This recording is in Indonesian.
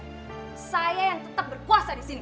kamu bisa lihat saya yang tetap berkuasa disini